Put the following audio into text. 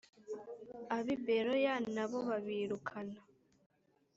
ab i beroya na bobabirukana